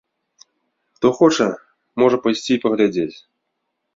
Хто хоча, можа пайсці і паглядзець.